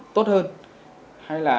tốt hơn hay là